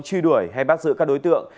truy đuổi hay bắt giữ các đối tượng